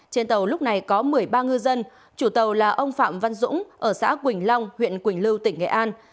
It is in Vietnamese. trên tàu lúc này có một mươi ba ngư dân chủ tàu là ông phạm văn dũng ở xã quỳnh long huyện quỳnh lưu tỉnh nghệ an